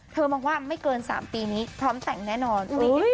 มองว่าไม่เกิน๓ปีนี้พร้อมแต่งแน่นอน